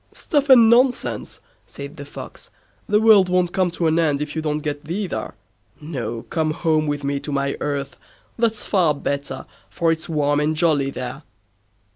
"Stuff and nonsense", said the Fox; "the world won't come to an end if you don't get thither. No! come home with me to my earth. That's far better, for it's warm and jolly there."